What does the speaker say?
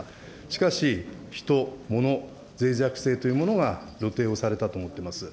しかし、人、もの、ぜい弱性というものが露呈をされたと思っております。